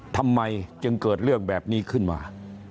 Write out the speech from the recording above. ทำไมจึงเกิดเรื่องแบบนี้ขึ้นมา